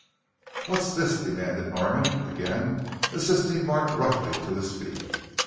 "What's this?" demanded Norman, again assisting Bart roughly to his feet.